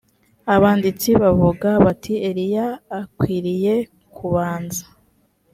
abanditsi bavuga bati eliya akwiriye kubanza